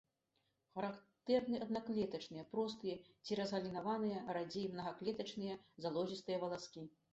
Характэрны аднаклетачныя, простыя ці разгалінаваныя, радзей мнагаклетачныя, залозістыя валаскі.